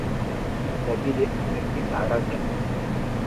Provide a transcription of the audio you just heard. Itabidi amefika haraka.